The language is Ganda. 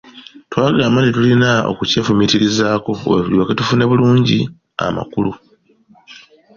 Twagamba nti tulina okukyefumiitirizaako olwo tulyoke tufune bulungi amakulu.